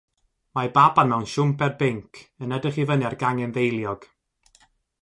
Mae baban mewn siwmper binc yn edrych i fyny ar gangen ddeiliog.